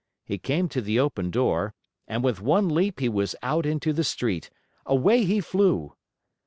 He came to the open door, and with one leap he was out into the street. Away he flew!